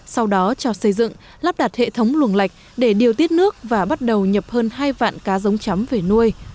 sau đó cho xây dựng lắp đặt hệ thống luồng lạch để điều tiết nước và bắt đầu nhập hơn hai vạn cá giống chấm về nuôi